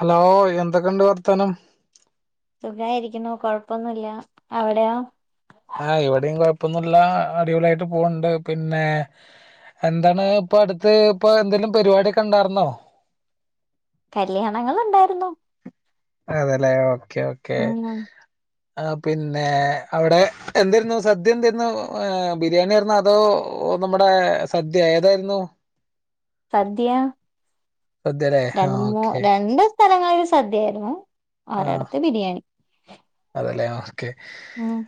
Hello എന്തൊക്കെണ്ട് വർത്താനം സുഖായിരിക്കുന്നു കൊഴപ്പൊന്നുല്ല അവടെയോ ആ ഇവിടെയും കൊഴപ്പൊന്നല്ല അടിപൊളിയായിട്ട് പോവ്ണ്ട് പിന്നെ എന്താണ് ഇപ്പൊ അടുത്ത് ഇപ്പൊ എന്തെലും പരിപാടൊക്കെണ്ടായിരുന്നോ കല്യാണങ്ങള് ണ്ടായിര്ന്നു അതെ ല്ലേ ഓക്കേ ഓക്കേ ആ പിന്നെ അവിടെ എന്തരുന്നു സദ്യ എന്തരുന്നു ബിരിയാണിരുന്നോ അതോ ഇ നമ്മുടെ സദ്യ ഏതായിരുന്നു സദ്യ സദ്യല്ലേ രണ്ട് ആഹ് മൂ ഓക്കെ രണ്ട് സ്ഥലങ്ങളില് സദ്യായിരുന്നു ആഹ് ഒരടത്ത് ബിരിയാണി ക്കെ ഉം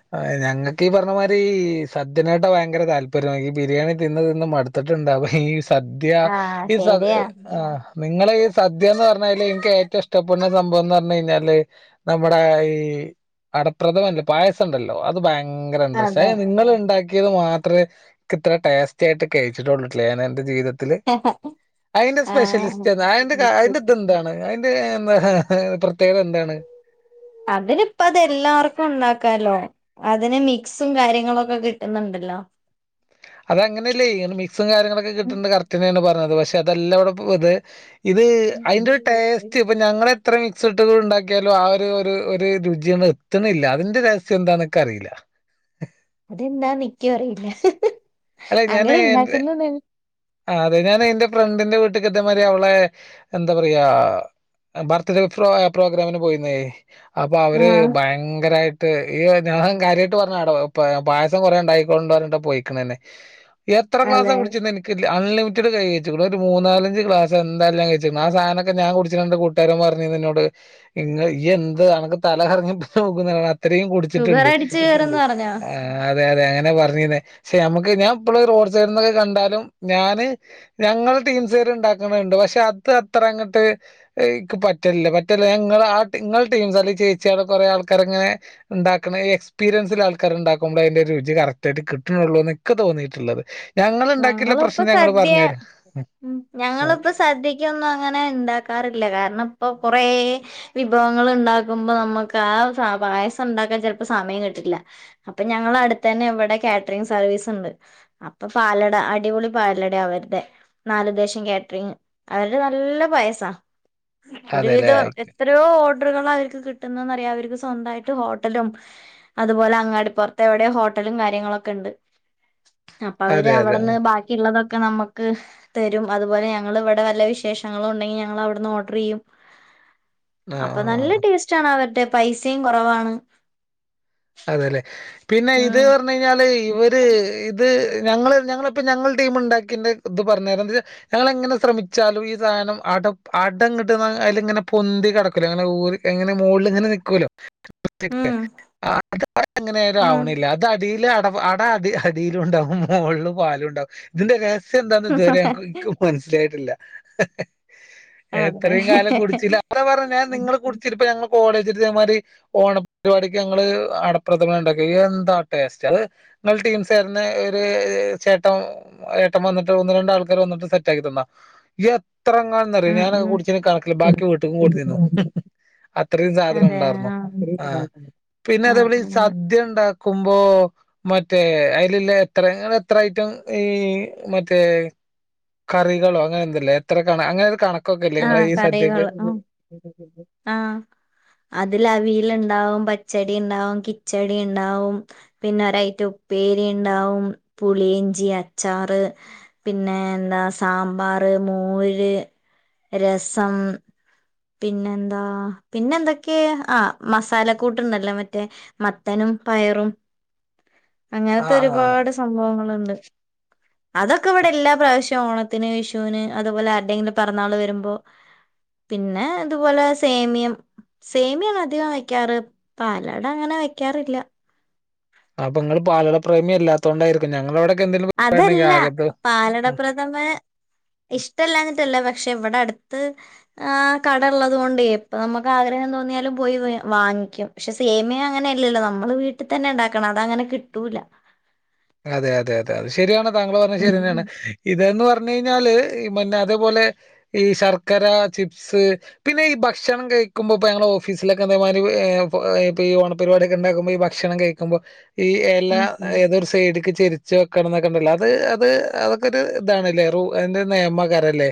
ഞങ്ങ ഈ പറഞ്ഞമാരി ഈ സദ്യനാട്ടും ഭയങ്കര താല്പര്യ ഈ ബിരിയാണി തിന്ന് തിന്ന് മട്ത്ത്ട്ടുണ്ടാവും ഈ സദ്യ ആഹ് ഈ സ ശരിയാ ആ നിങ്ങളീ സദ്യന്ന് പറഞാല് എനിക്ക് ഏറ്റവും ഇഷ്ടം [unintelligible] സംഭവം കയ്ഞാല് നമ്മുടെ ഈ അടപ്രദമല്ലെ പായസം ണ്ടല്ലോ അത് ഭയ ഭയങ്കരണ്ട്രസ്റ്റ അതെ നിങ്ങള്ണ്ടാ ക്കിയത് മാത്രേ ൻക്ക് ഇത്ര ടേസ്റ്റായിട്ട് കഴിച്ചിട്ടുള്ളൂ എന്റെ ജീവിതത്തി ത്തില് അയ്ന്റെ ആഹ് സ്പെഷ്യലിസ്റ്റ് ഏതാ അയ്ന്റെത് എന്താണ് [inaudible] അതിനിപ്പ തെല്ലാർക്കും ണ്ടാക്കാലോ അതിന് മിക്സും കാര്യങ്ങളൊക്കെ കിട്ടുന്നുണ്ടല്ലോ അത് അങ്ങനെയല്ലേ അയ്ന് മിക്സും കാര്യങ്ങളൊക്കെ ഉം കിട്ടിണ്ട് കറക്റ്റെന്നേണ് പറഞ്ഞത് പക്ഷെ അതെല്ല വിടെ ഇത് ഇത് അയ്ന്റൊരു ടേസ്റ്റ് ഇപ്പൊ ഞങ്ങളെ ത്ര മിക്സ് ഇട്ട് ണ്ടാക്കിയാലും ആ ഒരു ഒരു രുചിയൊന്ന്ത്ത്ണില്ല അതിന്റെ രഹസ്യം എന്താക്ക്റിയില്ല അതെന്താ നിക്കുറിയില്ല അല്ലെ ഞാന് എറെ ആ അതെ ഞാൻ എന്റെ ഫ്രണ്ടിന്റെ വീട്ട ട്ട്ക്ക് തേമാതിരി അവളെ എന്താ പറയാ ബർത്ത്ഡേ പ്രോഗ്രാമിന് പോയിന്നേ അപ്പൊ അവര് ആഹ് ഭയങ്കരായിട്ട് ഈ ഞാൻ കാര്യായിട്ട് പറഞ്ഞ ട്ടോ പായസംകൊറെ ണ്ടായിക്കോണ്ട് പറഞ്ഞിട്ട പോയിക്കണന്നെ എത്ര ക്ലാസ അതെ കുടിച്ചിരുന്നത് ഇൻക്ക് അൺലിമിറ്റഡ് കയ്ഞ് ഒരു മൂന്നാലഞ്ച് ക്ലാസ് എന്തായാലും ഞാൻ കയ്ച്ച്ക്ക്ണ് ആ സാധനൊക്കെ ഞാൻ കുടിച്ച്ട്ട്ണ്ട് കൂട്ടുകാരൻ പറഞ് ന്നോട് നിങ്ങ ഈ എന്ത് അൻക്ക് തല കറങ് [unintelligible] ഇത്രയും ഷുഗർ കുടിച്ചിട്ടുണ്ട് അടിച്ചു കേറുംന്ന് പറഞ്ഞോ ആ അതെ അതെ അങ്ങനെ പറഞ്ഞിന്ന പെ നമ്മുക്ക് ഞാൻ ഇപ്പോ റോഡ് സൈഡന്നൊക്കെ കണ്ടാലും ഞാന് ഞങ്ങൾ ടീം സര് ഉണ്ടാക്കണുണ്ട് പക്ഷെ അത്ര അങ്ങോട്ട്ക്ക് പറ്റില്ല പറ്റില്ല ആ ടീംസ് അല്ല ചേച്ചിയ കുറെ ആൾ ആൾക്കനെ ഉണ്ടാക്ക എസ്പീരിയൻസൽ ആൾക്കാർണ്ടാക്കുമ്പോ അതിന്റെറെ രുചി കറക് ആായിട്ട് കിട്ടണൂ പക്ക തോന്നിയിട്ടുള്ളത് ഞങ്ങള ഇപ്പ പ്രശ്നം ഞങ്ങള് സദ്യ പറഞ്ഞുതരാം ഉ ആ, ഞങ്ങളിപ്പോ സദ്യക്കൊന്നും അങ്ങനെ ഇണ്ടാക്കാറില്ല കാരണം ഇപ്പൊ കുറേ വിഭവങ്ങൾ ഉണ്ടാക്കുമ്പോ നമുക്ക് ആ പായസം ഉണ്ടാക്കാൻ ചിലപ്പോ സമയം കിട്ടിട്ടില്ല അപ്പൊ ഞങ്ങള അടുത്ത് തന്നെ ഇവിടെ കാറ്ററിങ് സർവീസ് ഉണ്ട് അപ്പൊ പാലട അടിപൊളി പാലട അവരുടെ നാലല്ദേശം കാറ്ററിങ് അവരുടെ നല്ല പായസാ അതെല്ലേ ഒരുവിധം ആയിക്കോ. എത്രയോ ഓർഡറുകൾ അവർക്ക് കിട്ടുന്നന്ന്റിയ സ്വന്തമായിട്ട് ഹോട്ടലും അതുപോലെ അങ്ങാടി പുറത്തെ എവിടെ ഹോട്ടലും കാര്യങ്ങളൊക്കെ ഉണ്ട് അവര് അതെ അതെ അവിടുന്ന് ബാക്കിയുള്ളതൊക്കെ ഒെ നമ്മക്ക് തരും അതുപോലെ ഞങ്ങ ഇവിടെ വല്ല വിശേഷങ്ങളും ഉണ്ടെങ്കിൽ ഞങ്ങ അവിടുന്ന് ഓർഡർ ചെയ്യും ആ അപ്പൊ നല്ല ആ ടേസ്റ്റ് ആണ അവരുടെ പൈസയും കുറവാണ് അതെലെ പിന്നെ ഇത് ഉം പർഞ്ഞൈഞ്ഞാല് ഇവര് ഇത്. ഞങ്ങൾ ഞങ്ങളൾപ്പം ഞങ്ങൾ ടീം ണ്ടാക്കിൻ്റെ ഇത് പറഞ്ഞര ത് ഞങ്ങളെങ്ങനെ ശ്രമിച്ചാലും ഈ സാനം ടപ്പ് അടങ്ങട്ട് [unintelligible] അയില് ങ്ങെനെ പൊന്തി കെടക്കൂലെ അങ്ങനെ ഊര് ഇങ്ങനെ മോളിൽങ്ങനെ നി നിക്കോലോ. ഉം [unintelligible] അതെങ്ങനായാലും ഉം ആവണില്ല അത് അടീൽ അട അട അടി അടീലും ഉണ്ടാവും മോളിൽ പാലുണ്ടാവും ഇതിന്റെ ര ശെ എന്താന്ന് ഇതുവരെ ഇന്ക് മനസ്സിലായിട്ടില്ല. അതെ എത്രയും കാലം കുടിച്ചില്ല പറഞ്ഞു ഞാൻ നിങ്ങള് കുടിച്ചട്ട ഇപ്പ ഞങ്ങ കോളേജ് ഇതേമാരി ഓണപരിപാടിക്ക്. ഞങ്ങള് അടപ്രഥമനാണ്ടാക്കി എന്താ ടേസ്റ്റ് അത് ങ്ങളെ ടീംസ് തര്നെ ഒര് ഹ് ചെ ട്ടം ഏട്ടം വന്നിട്ട് ഒന്ന് രണ്ട് ആൾക്കാര് വന്നിട്ട് സെറ്റ് ആക്കി തന്ന എ ഇത്രറങ്ങാന്ന്റിയ ഉം ഞാനൊക്കെ ഉം കുടിച്ചിന് കണക്കില്ല്യ ബാക്കി വീട്ടുക്കും കൊട്ന്നീനു. അത്രയും സാധന അതെ ഉണ്ടാർന്നു ആ ആഹ്. പിന്നെ ആ അതേപോലെ ഈ ആ സദ്യ ഉണ്ടാക്കുമ്പോ. മറ്റേ അയിലില്ലെ എത്ര ങ്ങളെത്ര ഐറ്റം ഈ മറ്റേ കറികളോ അങ്ങനെന്തോല്ലെ എത്ര കണ അങ്ങനൊരു കണ ആ കടേന്ന്ള്ള ആ ആ അതിലവിൽ ണ്ടാവും പച്ചടി ഇണ്ടാവും, കിച്ചടി ഇണ്ടാവും, പിന്നെ ഒരൈറ്റ ഉപ്പേരി ണ്ടാവും. പുളിയിഞ്ചി, അച്ചാറ്, ഹ് പിന്നെ എന്താ സാമ്പാർ, മോര്. രസം. പിന്നെന്താ പിന്നെന്തൊക്കെ ആ മസാല കൂട്ടുണ്ടല്ലോ മറ്റേ മത്തനും. പയറും. [inaudible] അങ്ങനത്തെ ആ ഒരുപാട് സംഭവങ്ങളുണ്ട് അതൊക്കെ ഇവിടെ എല്ലാ പ്രാവ്ശ്യ ഓണത്തിന് വിഷുന് അതുപോലെ ആരുടെങ്കിലും പെറന്നാള് വരുമ്പോ. പിന്നെ ഇതുപോലെ സേമിയം. സേമിയാണ് അധികം വെക്ക്യാറ് പാലാട അങ്ങനെ വെക്കാറില്ല. അപ്പൊ ഇങ്ങള് പാലട പ്രേമി അല്ലാത്തൊണ്ടായിരിക്കും ഞങ്ങളവിടെ. അതല്ല പാലട പ്രഥമേ ഇഷ്ട്ടല്ലാഞ്ഞ്ട്ടല്ല പ ക്ഷെ ഇവിടെ അടുത്ത് ആ കട ഉള്ളത് കൊണ്ട് ഇപ്പമ്മക്ക് ആഗ്രഹം തോന്നിയാലും പോയിവേ വ ക്കും. ക്ഷെ സേമിയ അങ്ങനെല്ലല്ലോ നമ്മള് വീട്ട് തന്നെ ണ്ടാക്കണം അതങ്ങനെ കിട്ടൂല. അതെ അതെ അതെ അത് ശരിയാണ് താങ്കൾ പറഞ്ഞൽ ശരിന്നെണ് ഉം. ഇതൊന്ന് അ പർഞ്ഞയിഞ്ഞാല് ഹ് പിന്നെ അതെപോലെ ഈ ശർക്കര, ചിപ്സ് പിന്നെ ഈ ഭക്ഷണം [unintelligible] കഴിക്കുമ്പോ ഇപ്പോ ഞങ്ങളെ ഓഫീസിലൊക്കെ ഇതെമാരി ഏഇപ്പൊ ഓണപരിവാടിക്കെ ഇണ്ടാക്കുമ്പോ ഈ ഭക്ഷണം കഴിക്കുമ്പോ. ഈ എല ഉം. ഏതൊ ട്ക്ക് ചെരിച്ച് വെക്കണന്നൊക്കെണ്ടല്ലോ അത് അത് അതൊക്കെ ഒരു ഇതാണല്ലേ റു അയിന്റൊരു നെയമേക്കാര ല്ലെ.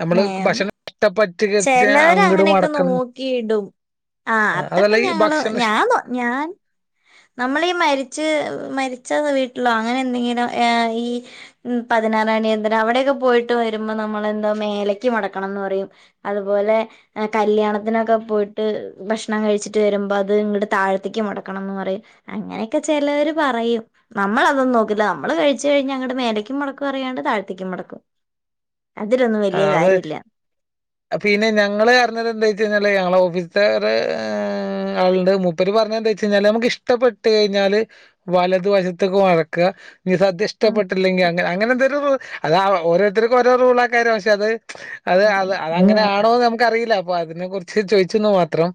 ഞമ്മള് ഭഷണം ഇഷ്ട്ടപെ ചെലവര് അങ്ങനെയൊക്കെ നോക്കിയിടും. ആ അതല്ല അതൊക്കെ ഈ ഞങ്ങള് ഭക്ഷണം ഇഷ് ഞാനോ ഞാൻ. നമ്മളീ മരിച്ച് മരി ചെന്ന വീട്ടിലോ അങ്ങനെ ന്തെങ്കിലും ഏ ഈ ഉം പതിനാറടിയന്തരം അവിടൊക്കെ പോയിട്ട് വരുമ്പോ. നമ്മളെന്തോ മേലയ്ക്ക് മടക്കണംന്ന് പറയും. അതുപോലെ എ കല്യാണത്തിനൊക്കെ പോയിട്ട് ഭക്ഷണം കഴിച്ചിട്ട് വരുമ്പോ അത് ങ്ങട്ട് താഴത്തേക്ക് മടക്കണെന്ന് പറയും അങ്ങനൊക്കെ ചേലോര് പറയും നമ്മളതൊന്നും നോക്കില്ല നമ്മള് കഴിച്ച് കഴിഞ്ഞ ങ്ങ മേലക്കും മടക്കും അറിയാണ്ട് താഴത്തേക്കും മടക്കും. [inaudible] അതിലൊന്നും വലിയ ആഹ് അത് കാര്യല്ല്യ. പിന്നെ ഞങ്ങള് റിഞ്ഞത് എന്താച്ചയിഞ്ഞാല് ഞങ്ങളെ ഓഫീസ്ൽ ത്തെ ഒര് എ ഉം ആളുണ്ട് മുപ്പര് പറഞ്ഞന്താച്ചയിഞ്ഞാൽ നമക്ക് ഇഷ്ടപ്പെട്ട് കഴിഞ്ഞാല് വലതുവശത്ത്ക്ക് മടക്ക. നി സദ്യ ഉം ഇഷ്ടപ്പെട്ടില്ലെങ്കി അങ്ങനെ അങ്ങനെന്തൊരു റു അത് ആ ഓരോരുത്തര്ക്കു ഓരോ റൂളേക്കാരം ഷേ അത്. അത് അതെ അത് അത അങ്ങനാണോന്ന് നമുക്ക്റിയില്ല അപ്പൊ അതിനെ കുറിച്ച് ചോയിച്ച്ന്നു മാത്രം.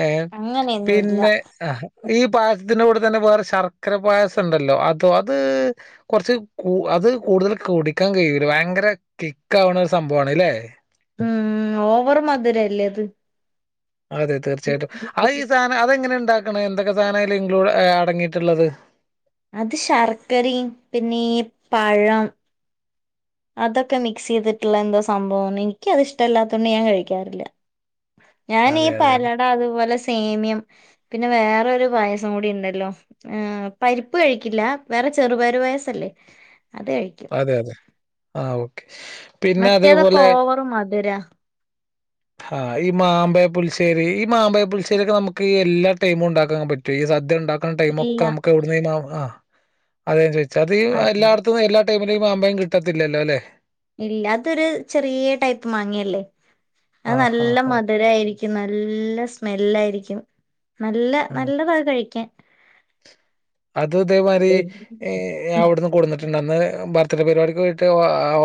ഏ അങ്ങനെയൊന്നുല്ല പിന്നെ ആ ഈ പായസത്തിന്റെ കൂടെ തന്നെ വേറെ ശർക്കര പായസം ഉണ്ടല്ലോ അതോ അത് കുറച്ച് കൂ അത് കൂടുതൽ കുടി ക്കാൻ കഴിയൂല്ല. ഭയങ്കര കിക്ക് ആവണ ഒരു സംഭവാണ് അല്ലേ. ഉം ഓവർ മധുരല്ലേ അത്. അതെ തീർച്ചയായിട്ടും. ആ ഈ സാധനം അതെങ്ങനെ ഇ ണ്ടാക്കണെ? എന്തൊക്കെ സാധന ഇൻക്ലൂട അടങ്ങിയിട്ടുള്ളത്? അത് ശർക്കരയും പിന്നെ ഈ പഴം അതൊക്കെ മിക്സ് ചെയ്തിട്ടുള്ള എന്തോ സംഭവാണ്. എനിക്ക് അത് ഇഷ്ടല്ലാത്തോണ്ട് ഞാൻ കഴിക്കാറില്ല. ഞാൻ ഈ അതെ, അതെ, അതെ. പാലട അതുപോലെ സേമിയം പിന്നെ വേറൊരു പായസം കൂടി ഉണ്ടല്ലോ. പരിപ്പ് കഴിക്കില്ല. വേറെ ചെറുപയരു പായസല്ലേ. അത് കഴിക്കും അതെ അതെ ആ ഓക്കെ. പിന്നെ മറ്റേതൊക്കെ അതേപോലെ ഓവർ മധുരാ. ആ ഈ മാമ്പയ പുളിശേരി ഈ മാമ്പയ പുളശ്ശേരിയൊക്കെ നമുക്ക് എല്ലാ ടൈമും ഉണ്ടാക്കാൻ പറ്റോ ഈ ഈ സദ്യ ഉണ്ടാക്കുന്ന ടൈം ഒക്കെ ഇല്ല നമുക്ക് എവിടുന്ന മാ അതാ ഞാൻ ചോദിച്ചേ അത് ഈ എല്ലായിടത്തുന്ന് എല്ലാ ടൈമില് ഈ മാമ്പയം കിട്ടത്തില്ലല്ലോ അല്ലെ ഇല്ല അതൊരു ചെറിയ ടൈപ്പ് മാങ്ങയല്ലേ. അത് ആ, ആ, നല്ല ആ. മധുര ആയിരിക്കുന്ന നല്ല സ്മെല്ലായിരിക്കും. നല്ല ഉം. നല്ലതാ അത് കഴിക്കാൻ അത് ഇതേമാതിരി അവിടുന്ന് കൊടുന്നിട്ട് ണ്ടന്ന് ബർത്ത്ഡേ പരിപാടിക്ക് പോയിട്ട് ഓ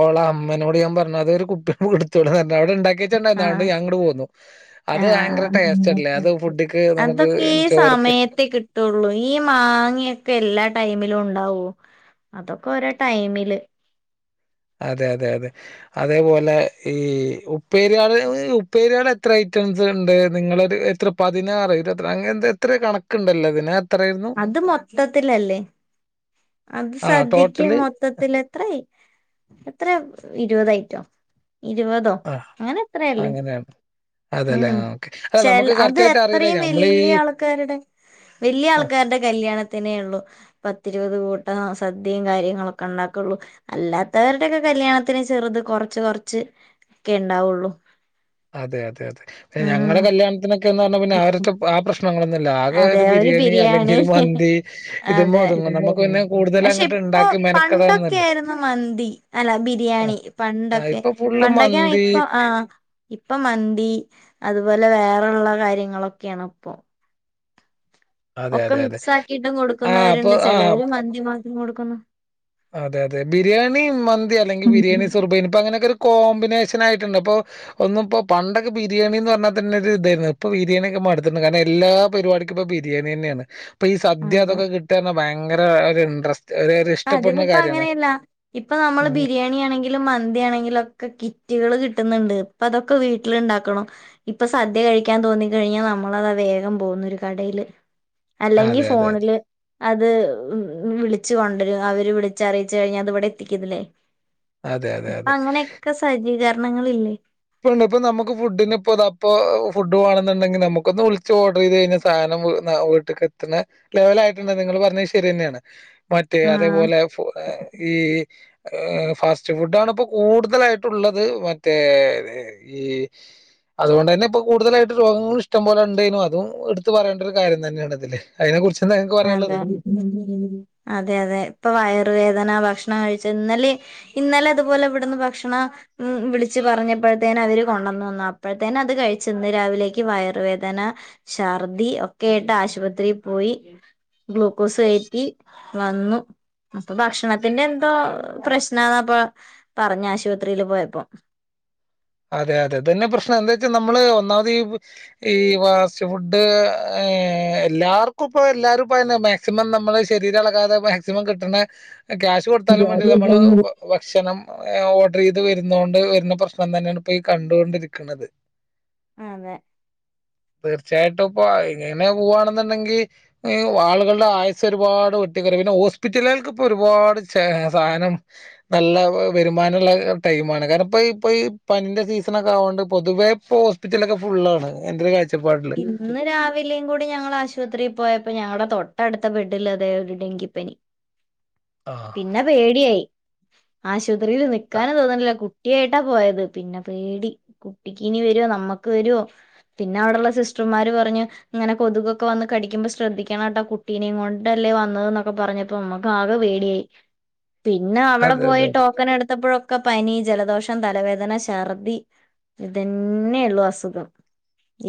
ഓൾടെ അമ്മേനോട് ഞാൻ പറഞ്ഞു അത് ഒരു കുപ്പീല് കൊടുത്തു വിടാൻ അവിടെ ഉണ്ടാക്കി വച്ചെണ്ടായിരുന്നു. ആഹ് അതോണ്ട് ഞാനിങ്ങട് പോന്നു. അത് അയങ്കര ടേസ്റ്റ് അല്ലേ. ആഹ് അത് ഫുഡ്ക്ക് നമുക്ക് അതൊക്കെ ഈ ചോറ്ക്ക് സമയത്തെ കിട്ടുള്ളൂ ഈ മാ ങ്ങെക്കെല്ലാ ടൈമിലും ഉണ്ടാവോ. അതൊക്കെ ഒരോ ടൈമില് അതെ അതെ അതെ അതേപോലെ ഈ ഉപ്പേരിയാള് ഉപ്പേരിയാള് എത്രായി ഐറ്റംസുണ്ട് നിങ്ങളൊരു എത്ര പതിനാറ് ഇരുപത്തിര അങ്ങ എത്ര എത്ര കണക്കുണ്ടല്ലോ അതിന് എത്രായിരുന്നു അത് മൊത്തത്തിലല്ലേ. അത് ആ സദ്യക്ക് ടോട്ടല് മൊത്തത്തില് എത്രായി എത്രയാ ഇരുപത് ഐറ്റോ ഇരുപതോ ആ അങ്ങനെ എത്രയല്ലേ. അങ്ങനെയാണ് അതെല്ലേ ഉം ആ ഓക്കെ അല്ല ചെല നമുക്ക് അത് കറക്റ്റ് ആയിട്ട് അറിയില്ല എത്രയും നമ്മളീ വലിയ ആൾക്കാരുടെ വലിയ ആ ആൾക്കാരുടെ ക ല്യാണത്തിനേയുള്ളൂ പത്തിരുപത് കൂട്ടോം. സദ്യയും കാര്യങ്ങളൊക്കെ ഉണ്ടാക്കൂള്ളൂ അല്ലാത്ത വരുടെയൊക്കെ കല്യാണത്തിന് ചെറുത് കൊറച്ച് കൊറച്ച് ഒക്കെ ഉണ്ടാവുള്ളു. അതെ അതെ അതെ ഞങ്ങളുടെ കല്യാണത്തിനൊക്കെ ക്ക്ന്ന് പറഞ്ഞാ പിന്നെ ആ ആ പ്രശ്നങ്ങളൊന്നും ഇല്ല ആകെ ഒരു ബിരിയാണി അല്ലെങ്കിൽ ഒരു മന്തി ഇതുമ്മേ അതെ ഒതുങ്ങു പക്ഷെ ഇപ്പൊ പണ്ടൊക്കെ മെനക്കെടാനൊന്നുല്ല ആയിരുന്നു മന്തി അല്ല ആ ബിരിയാണി പണ്ട് ആ, ണ്ടൊക്കെ ഇപ്പൊ ഫുള്ള് പണ്ടൊക്കെ മന്തി ഇപ്പൊ ആ ഇപ്പൊ മന്തി അതുപോലെ വേറെ ഒള്ള കാര്യങ്ങളൊക്കെയാണ് ഇപ്പൊ. അതെ ഒക്കെ അതെ അതെ മിക്സ് ആക്കിയിട്ടും ആ അപ്പൊ കൊടുക്കുന്നവരുണ്ട് ആ ചിലരും മന്തി മാത്രം കൊടുക്കുന്നു അതെ അതെ ബിരിയാണി മന്തി അല്ലെങ്കിൽ ബിരിയാണി സുർബയ്ന് ഇപ്പ അങ്ങനൊക്കെ ഒരു കോമ്പിനേഷൻ ആയിട്ടുണ്ട്. അപ്പോ ഒന്നും ഇപ്പോ പണ്ടൊക്കെ ബിരിയാണീന്ന് പറഞ്ഞാ തന്നെ ഒരു ഇതായിരുന്നു. ഇപ്പൊ ബിരിയാണിയൊക്കെ മടുത്തട്ടുണ്ട്. കാരണം എല്ലാ പരിപാടിക്കും ഇപ്പൊ ബിരിയാണി തന്നെയാണ്. ഇപ്പൊ ഈ സദ്യ അതെ അതൊക്കെ കിട്ട പറഞ്ഞ ഭയങ്കര ഒരു ഇൻട്രസ്റ്റ് ഒരു ഒരു ഇഷ് അതിനിപ്പെ അങ്ങനെയല്ല. ഇപ്പൊ നമ്മള് ഉം ബിരിയാണി ആണെങ്കി ങ്കിലും മന്തിയാണെങ്കിലും ഒക്കെ കിറ്റുകള് കിട്ടുന്നുണ്ട്. ഇപ്പ അതൊക്കെ വീട്ടില് ഇണ്ടാക്കണം ഇപ്പ സദ്യ കഴി കഴിക്കാൻ തോന്നിക്കഴിഞ്ഞാൽ നമ്മളതാ വേഗം പോകുന്നു ഒരു കടയില് അല്ലെങ്കിൽ അതെ അതെ ഫോണില് അത് ഉം വിളിച്ചു കൊണ്ട ണ്ട് അവര് വിളിച്ചറിയിച്ചുകഴിഞ്ഞാ അത് ഇവിടെ എത്തിക്കത്തില്ലേ. അതെ അതെ ഇപ്പ അതെ അങ്ങനൊക്കെ സജ്ജീകരണണ്ട്. കരണങ്ങളില്ലേ. ഇപ്പ ഇപ്പൊ നമുക്ക് ഫുഡിനിപ്പെദപ്പോ ഫുഡ് വേണേന്നുണ്ടെങ്കി നമുക്കൊന്ന് വിളിച്ച് ഓർഡർ ചെയ്ത് കഴിഞ്ഞ സാനം വീട്ടിലക്കെത്തണേ ലെവലായിട്ടുണ്ട്. നിങ്ങള് പറഞ്ഞ ശരി തന്നെയാണ്. മറ്റേ ആഹ് അതേപോലെ ഫോ ഈ ഏ ഫാസ്റ്റ് ഫുഡ് ആണ് ഇപ്പോ കൂടുതലായിട്ട്ള്ളത് മറ്റേ ഈ അതുകൊണ്ട് തന്നെ ഇപ്പൊ കൂടുതലായിട്ട് രോഗങ്ങളും ഇഷ്ടംപോലെ ഉണ്ടേനും അതും എടുത്ത് പറയേണ്ട ഒരു കാര്യം തന്നെയാണ് അതില്ലെ അതിനെ കുറിച്ച് എന്താ നിങ്ങക്ക് പറയാനുള്ളത് അതെ അതെ അതെ ഇപ്പൊ വയർവേദന ഭക്ഷ ഭകഷണ ഇന്നലെ അതുപലെ ഇവി ഭക്ഷ ണ വിളിച്ചു പറഞ്ഞപ്പോഴേ അവർ ടുണെന്ന് അപ്പോഴത്തേെ അത് കഴിച്ചന്ന് രാവിലക്ക് വയറുവേദന ഛർദി ഒക്കെട്ട് ആശുപത്രിയിൽ പോയി ഗ്ലൂക്കോസ് കയറ്റി വന്നു അപ്പൊ ഭക്ഷണത്തിന്റെ എന്തോ പ്രശ്നന്നപ്പ പറഞ്ഞ ആശുപത്രിൽ പോയപ്പോ അതെ അതെ അതന്നെ പ്രശ്നം എന്താ വെച്ചാൽ നമ്മള് ഒന്നാമത് ഈ ഈ ഫാസ്റ്റ് ഫുഡ് എല്ലാർക്കും ഇപ്പ എല്ലാരുംപ്പന്നെ മാക്സിമം ന നമ്മള് ശരീരംളകാതെ മാക്സിമം കിട്ടുന്ന ക്യാഷ് കൊടുത്താലും വേണ്ടില്ല നമ്മള് ഭക്ഷണം ഓർഡർ ചെയ്ത് വരുന്ന കൊണ്ട് വരുന്ന പ്രശ്നം തന്നെ പോയി കണ്ടുകൊണ്ടിരിക്കണുന്നത് അതെ [inaudible] തീർച്ചയായിട്ടും ഇപ്പ ഇങ്ങനെ പോവാവാണെന്നുണ്ടെങ്കിൽഈ ആളുകളുടെ ആയസ്സ ഒരുപാട് വെട്ടിക്കറി പിന്നെ ഹോസ്പിറ്റലുകൾക്ക ഇപ്പോ ഒരുപാട് സാധനം നല്ല വരുമാനുള്ള ടൈമാണ് കാര ഇപ്പ ഇപ്പഈ പനിന്റെ സീസണ ഒക്കെ ആകോണ്ട് പൊതുവേ ഇപ്പ ഹോസ്പിറ്റല ഒക്കെ ഫുള്ളാണ് എന്റെ കാ ഇന്ന് രാവിലെയും കൂടി ഞങ്ങൾ ആശുപത്രിയിൽ പോയ അപ്പൊ ഞങ്ങളുടെ തൊട്ട അടുത്ത ബെഡിൽ അതായ ഒരു ഡെങ്കിപ്പനി ആഹ് പിന്നെ പേടിയായി ആശുപത്രിയിൽ നിക്കാന തോന്നില്ല കു കുട്ടിയായിട്ടാ പോയത് പിന്നെ പേടി കുട്ടിക്ക് ഇനി വരോ നമ്മക്ക് വരുവോ പിന്നെ അവിടെള്ള സിസ്റ്റർമാർ പറഞ്ഞു ഇങ്ങനെ കൊതുകൊക്കെ വന്ന് കടിക്ക്പോ ശ്രദ്ധിക്കണം കേട്ടാ കുട്ടീനെ കൊണ്ടല്ലേ വന്നതൊക്കെ പറഞ്ഞപ്പോ നമ്മക്ക് ആകെ പേടിയായി പിന്നെ അവിടെ അതെ പോയി അതെ അതെ ടോക്കൻ എടുത്തപ്പോഴൊക്ക ഒക്ക പനി ജലദോഷം തലവേദന ഛർദി ഇതെന്നെ ഉള്ളു അസുഖം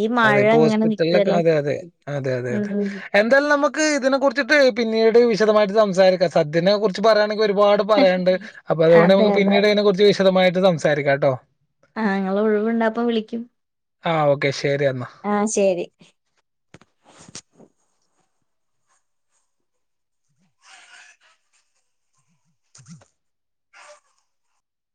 ഈ അതെ മഴ ഇപ്പൊ ഇങ്ങനെ ഹോസ്പിറ്റലിലക്കെ നിക്കല്ലേ അതെ അതെ അതെ അതെ അതെ ഉം എന്തായാലും നമുക്ക് ഇതിനെ കുറിച്ചിട്ട് പിന്നീട് വിശദമായിട്ട് സംസാരിക്കാം സദ്യനെ കുറി പറയാണ ഒരുപാട് പറയാനുണ്ട് അപ്പൊ അതുകൊണ്ട് അതെ നമക്ക് അതെ പിന്നീട് അതിനെ കുറിച്ച് വിശദമായിട്ട് സംസാരിക്കാം കേട്ടോ ആഹ് ങ്ങൾ ഒഴിവുണ്ടപ്പ വിളിക്കും ആഹ ഓക്കെ ശരി എന്നാ ആഹ ശരി ചിൽ